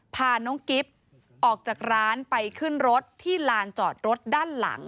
พาน้องกิ๊บออกจากร้านไปขึ้นรถที่ลานจอดรถด้านหลัง